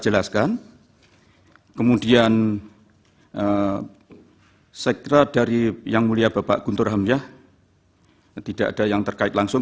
jelaskan kemudian saya kira dari yang mulia bapak guntur hamyah tidak ada yang terkait langsung